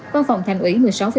văn phòng thành ủy một mươi sáu bảy